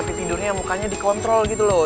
tapi tidurnya mukanya dikontrol gitu loh